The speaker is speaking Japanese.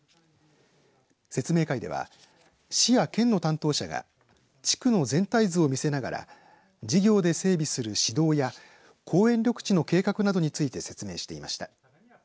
説明会では市や県の担当者が地区の全体図を見せながら事業で整備する指導や公園緑地の計画などについて説明していました。